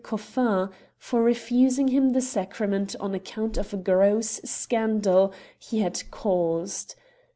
Coffin, for refusing him the sacrament on account of a gross scandal he had caused.